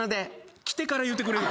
来てから言うてくれる？